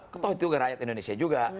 ketahu itu rakyat indonesia juga